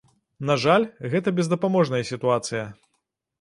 На жаль, гэта бездапаможная сітуацыя.